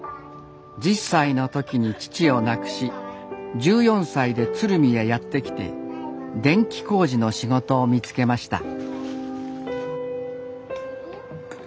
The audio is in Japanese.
１０歳の時に父を亡くし１４歳で鶴見へやって来て電気工事の仕事を見つけました。